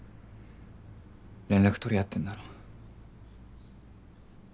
連絡取り合ってんだろ。